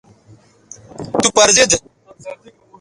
تو پر زید